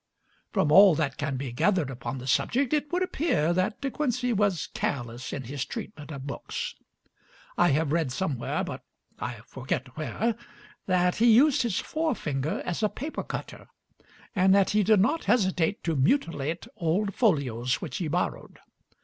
From all that can be gathered upon the subject it would appear that De Quincey was careless in his treatment of books; I have read somewhere (but I forget where) that he used his forefinger as a paper cutter and that he did not hesitate to mutilate old folios which he borrowed.